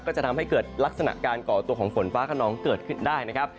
ก็จะทำให้เกิดลักษณะการก่อตัวของฝนฟ้าขนองเกิดขึ้นได้นะครับ